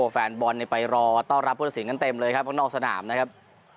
แฟนบอลไปรอต้อนรับผู้ตัดสินกันเต็มเลยครับข้างนอกสนามนะครับ